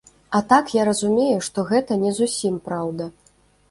А так я разумею, што гэта не зусім праўда.